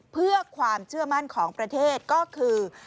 เพื่อความเชื่อมั่นของประเทศก็คือ